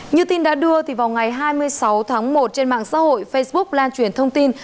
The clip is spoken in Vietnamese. như tin đã đưa vào ngày hai mươi sáu tháng một trên mạng xã hội facebook lan truyền thông tin